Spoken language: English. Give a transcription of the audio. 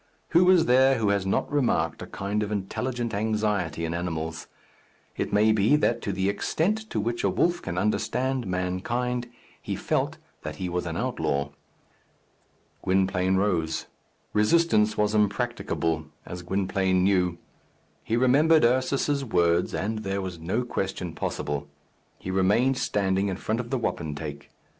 Who is there who has not remarked a kind of intelligent anxiety in animals? It may be that to the extent to which a wolf can understand mankind he felt that he was an outlaw. Gwynplaine rose. Resistance was impracticable, as Gwynplaine knew. He remembered Ursus's words, and there was no question possible. He remained standing in front of the wapentake.